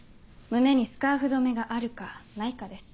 胸にスカーフ留めがあるかないかです。